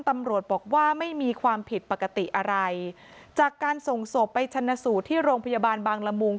ตำรวจบอกว่าไม่มีความผิดปกติอะไรจากการส่งศพไปชนะสูตรที่โรงพยาบาลบางละมุง